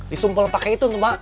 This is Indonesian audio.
disumpul pakai itu mak